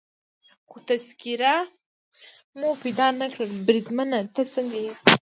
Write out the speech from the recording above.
خو تذکیره مو پیدا نه کړل، بریدمنه ته څنګه یې؟